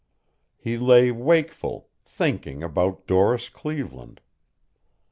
He lay wakeful, thinking about Doris Cleveland.